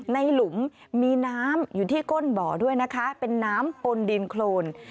หลุมมีน้ำอยู่ที่ก้นบ่อด้วยนะคะเป็นน้ำปนดินโครน